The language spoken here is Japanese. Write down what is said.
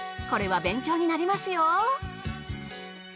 これは勉強になりますよ。